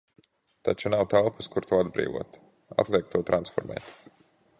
Taču nav telpas, kur to atbrīvot. Atliek to transformēt.